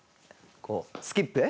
こう、スキップ。